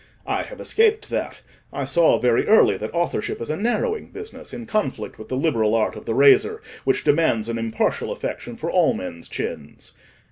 I have escaped that; I saw very early that authorship is a narrowing business, in conflict with the liberal art of the razor, which demands an impartial affection for all men's chins.